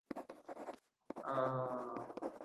عثمان جنتی ہیں